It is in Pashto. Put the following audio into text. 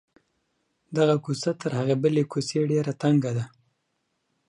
دغه کوڅه تر هغې بلې کوڅې ډېره تنګه ده.